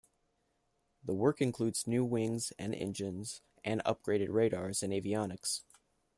The work includes new wings and engines and upgraded radars and avionics.